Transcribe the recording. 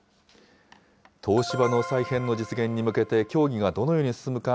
東芝の再編の実現に向けて、協議がどのように進むか